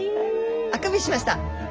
あくびしました！